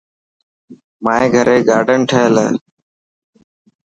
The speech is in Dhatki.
مائي گهري گارڊن ٺهيل هي.